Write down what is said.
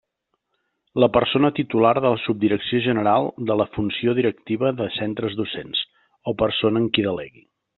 La persona titular de la Subdirecció general de la Funció Directiva de Centres Docents o persona en qui delegui.